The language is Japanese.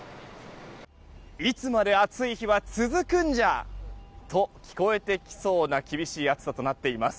いつまで暑い日は続くんじゃ！と聞こえてきそうな厳しい暑さとなっています。